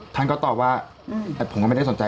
ท่านก็ตอบว่าแต่ผมก็ไม่ได้สนใจ